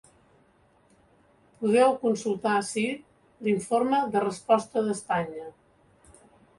Podeu consultar ací l’informe de resposta d’Espanya.